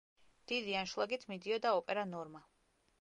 დიდი ანშლაგით მიდიოდა ოპერა „ნორმა“.